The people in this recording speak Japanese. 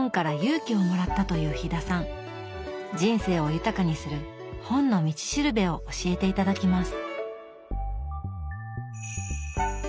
人生を豊かにする「本の道しるべ」を教えて頂きます。